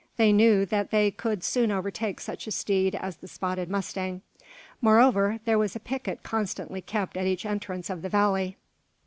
They knew that they could soon overtake such a steed as the spotted mustang; moreover, there was a picket constantly kept at each entrance of the valley.